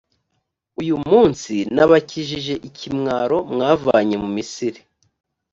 uyu munsi nabakijije ikimwaro mwavanye mu misiri.